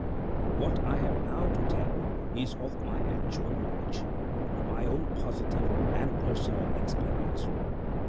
What I have now to tell is of my own actual knowledge of my own positive and personal experience.